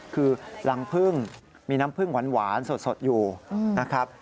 คือรังพึ่งมีน้ำผึ้งหวานสดอยู่นะครับ